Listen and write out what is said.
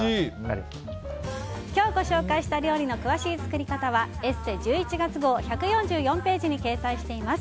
今日ご紹介した料理の詳しい作り方は「ＥＳＳＥ」１１月号の１４４ページに掲載しています。